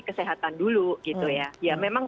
kesehatan dulu gitu ya ya memang